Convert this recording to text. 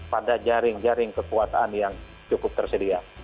pada jaring jaring kekuasaan yang cukup tersedia